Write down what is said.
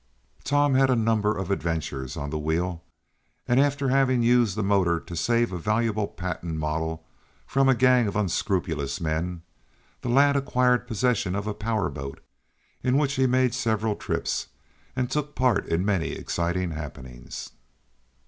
Tom had a number of adventures on the wheel, and, after having used the motor to save a valuable patent model from a gang of unscrupulous men, the lad acquired possession of a power boat, in which he made several trips, and took part in many exciting happenings.